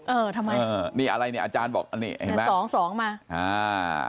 เออทำไมเออนี่อะไรเนี่ยอาจารย์บอกอันนี้เห็นไหมสองสองมาอ่า